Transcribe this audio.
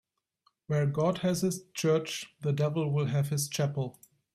Where God has his church, the devil will have his chapel